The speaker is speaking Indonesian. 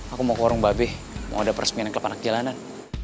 aku mau ke warung babih mau dapet resminya ke lepanak jalanan